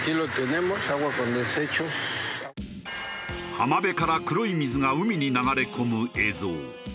浜辺から黒い水が海に流れ込む映像。